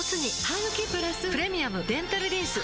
ハグキプラス「プレミアムデンタルリンス」